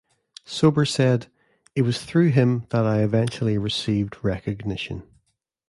Sobers said, "it was through him that I eventually received recognition".